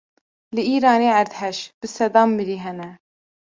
Li îranê erdhej: bi sedan mirî hene